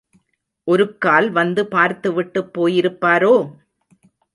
ஒருக்கால் வந்து பார்த்து விட்டுப் போயிருப்பாரோ?